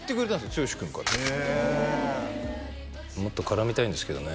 剛君からへえもっと絡みたいんですけどね